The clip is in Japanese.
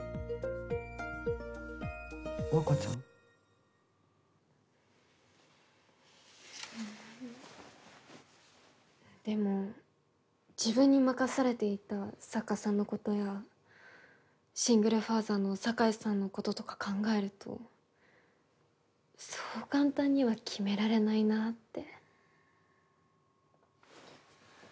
和子ちゃん？でも自分に任されていた作家さんのことやシングルファーザーの境さんの事とか考えるとそう簡単には決められないなって。